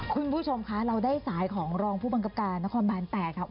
คุณผู้ชมคะเราได้สายของรองผู้บังคับการนครบาน๘ค่ะ